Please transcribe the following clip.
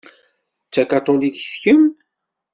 D takatulikt kemm?